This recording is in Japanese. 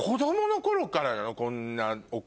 こんな。